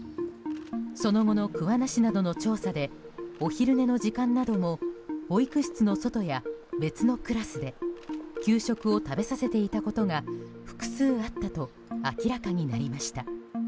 その後の桑名市の調査などでお昼寝の時間なども保育室の外や別のクラスで給食を食べさせていたことが複数あったと明らかになりました。